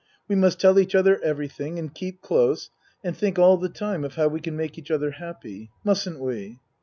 We must tell each other everything and keep close and think all the time of how we can make each other happy. Mustn't we?